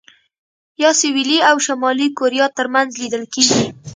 یا سوېلي او شمالي کوریا ترمنځ لیدل کېږي.